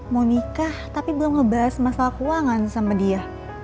mau nikah tapi belum ngebahas masalah keuangan sama dia